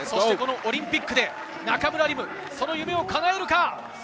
オリンピックで中村輪夢、夢を叶えるか。